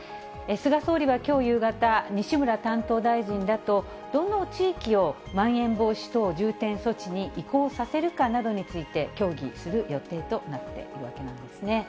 菅総理はきょう夕方、西村担当大臣らとどの地域をまん延防止等重点措置に移行させるかなどについて協議する予定となっているわけなんですね。